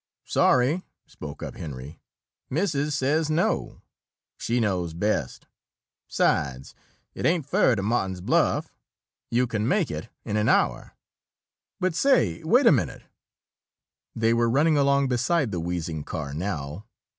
"Sorry," spoke up Henry. "Missus says no. She knows best. 'Sides, it ain't fur to Martin's Bluff. You kin make it in an hour." "But say, wait a minute!" They were running along beside the wheezing car now.